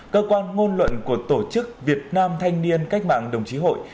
cơ quan ngôn luận của tổ chức việt nam thanh niên cách mạng đồng chí hội